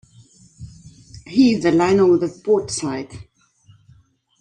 Heave the line over the port side.